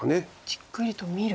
じっくりと見る。